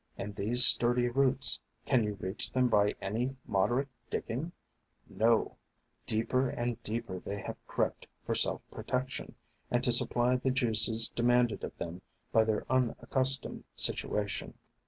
And these sturdy roots, — can you reach them by any moderate digging ? No ; deeper and deeper they have crept for self protection, and to supply the juices de manded of them by their unaccustomed situation.